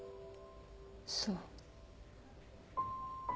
そう。